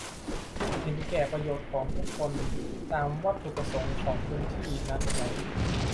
เห็นแก่ประโยชน์ของทุกคนตามวัตถุประสงค์ของพื้นที่นั้นไหม